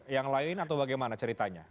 yang lain atau bagaimana ceritanya